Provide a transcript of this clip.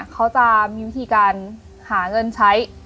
เขาจะมีวิธีการหาเงินใช้